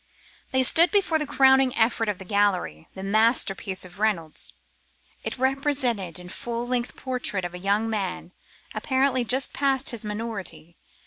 They stood before the crowning effort of the gallery, the masterpiece of Reynolds. It represented a full length portrait of a young man, apparently just past his minority.